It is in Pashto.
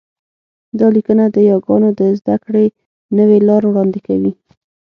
دا لیکنه د یاګانو د زده کړې نوې لار وړاندې کوي